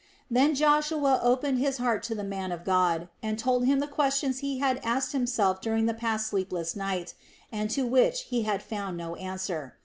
Then Joshua opened his heart to the man of God and told him the questions he had asked himself during the past sleepless night, and to which he had found no answer.